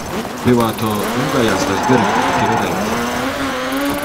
"Była to długa jazda z Berlina do Pirenejów."